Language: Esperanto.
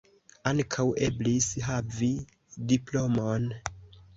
Ankaŭ eblis havi diplomon.